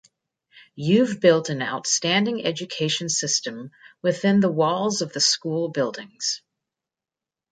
You've built an outstanding education system within the walls of the school buildings.